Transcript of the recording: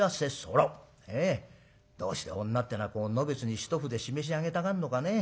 どうして女ってのはこうのべつに一筆しめし上げたがんのかね。